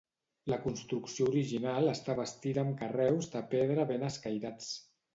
La construcció original està bastida amb carreus de pedra ben escairats.